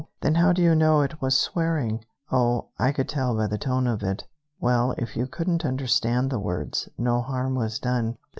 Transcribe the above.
"Then how do you know it was swearing?" "Oh, I could tell by the tone of it." "Well, if you couldn't understand the words, no harm was done.